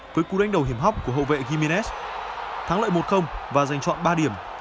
với cú đánh đầu hiểm hóc của hậu vệ giminez thắng lợi một và giành chọn ba điểm